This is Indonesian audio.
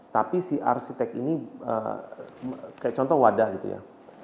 tapi si arsitek ini kayak contoh wadah gitu ya